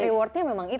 rewardnya memang itu